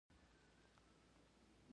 دی هڅه کوي چې لا ډېر تشویق لاس ته راوړي